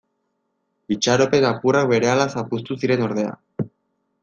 Itxaropen apurrak berehala zapuztu ziren ordea.